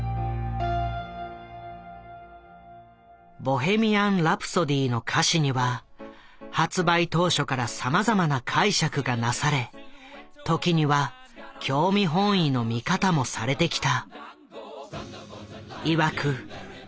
「ボヘミアン・ラプソディ」の歌詞には発売当初からさまざまな解釈がなされ時には興味本位の見方もされてきた。